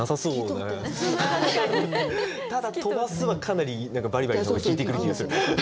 ただ「とばす」はかなり「ばりばり」の方が効いてくる気がする。